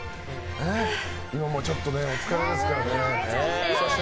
ちょっとお疲れですからね。